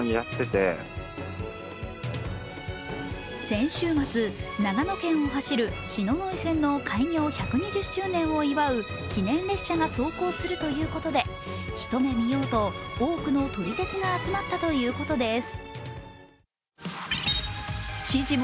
先週末、長野県を走る篠ノ井線の開業１２０周年を祝う記念列車が走行するということで一目見ようと多くの撮り鉄が集まったということです。